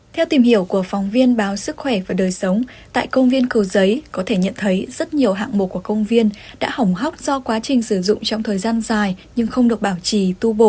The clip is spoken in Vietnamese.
theo tìm hiểu của phóng viên báo sức khỏe và đời sống tại công viên cầu giấy có thể nhận thấy rất nhiều hạng mục của công viên đã hỏng hóc do quá trình sử dụng trong thời gian dài nhưng không được bảo trì tu bổ